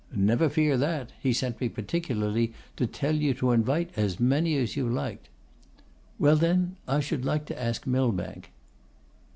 'Never fear that; he sent me particularly to tell you to invite as many as you liked.' 'Well, then, I should like to ask Millbank.